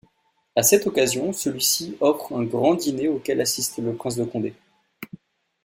À cette occasion, celui-ci offre un grand dîner auquel assiste le prince de Condé.